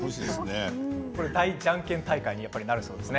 大じゃんけん大会になるそうですね。